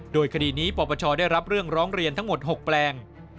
โดยคดีนี้ปปชได้รับเรื่องร้องเรียนทั้งหมด๖แปลง